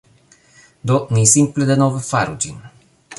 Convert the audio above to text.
Do, ni simple denove faru ĝin